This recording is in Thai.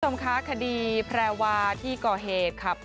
คุณผู้ชมคะคดีแพรวาที่ก่อเหตุขับ